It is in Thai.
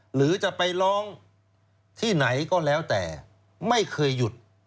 หรือจะไปร้องที่ไหนก็แล้วแต่ไม่เคยหยุด